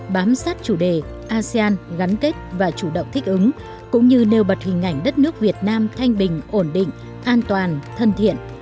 bám sát chủ đề asean gắn kết và chủ động thích ứng cũng như nêu bật hình ảnh đất nước việt nam thanh bình ổn định an toàn thân thiện